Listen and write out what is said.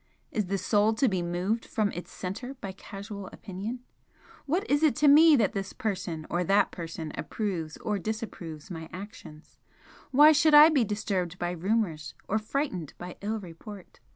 Is the Soul to be moved from its centre by casual opinion? What is it to me that this person or that person approves or disapproves my actions? Why should I be disturbed by rumours, or frightened by ill report?